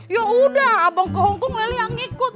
yaudah abang ke hongkong leli yang ikut